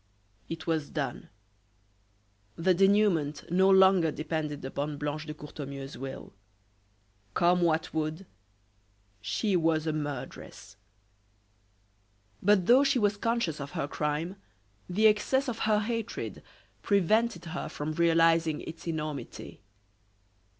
It was done. The denouement no longer depended upon Blanche de Courtornieu's will. Come what would, she was a murderess. But though she was conscious of her crime, the excess of her hatred prevented her from realizing its enormity.